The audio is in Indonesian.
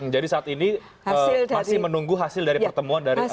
jadi saat ini masih menunggu hasil dari pertemuan antara presiden dengan